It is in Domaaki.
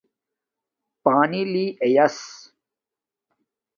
پانی لی ایس